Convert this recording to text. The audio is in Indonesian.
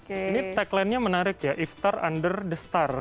ini tagline nya menarik ya iftar under the star